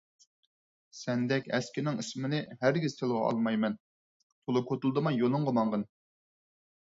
سەندەك ئەسكىنىڭ ئىسمىنى ھەرگىز تىلغا ئالمايمەن، تولا كوتۇلدىماي يولۇڭغا ماڭغىن!